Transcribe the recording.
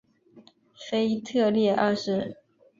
腓特烈二世。